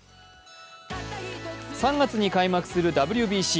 ３月に開幕するＷＢＣ。